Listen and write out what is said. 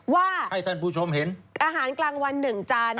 ว่าอาหารกลางวัน๑จาน